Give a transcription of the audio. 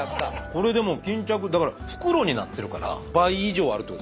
これでも巾着だから袋になってるから倍以上あるってことですよね。